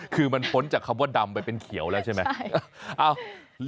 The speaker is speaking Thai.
คือมันพ้นจากคำว่าดำไปเป็นเขียวแล้วใช่ไหม